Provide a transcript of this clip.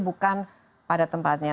bukan pada tempatnya